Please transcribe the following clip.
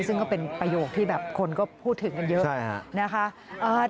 ซึ่งก็เป็นประโยคที่แบบคนก็พูดถึงกันเยอะนะคะ